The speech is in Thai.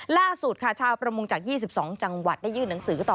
ล่าสุดค่ะชาวประมงจาก๒๒จังหวัดได้ยื่นหนังสือต่อ